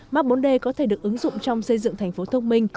mark bốn d có thể được ứng dụng trong xây dựng thành phố thông minh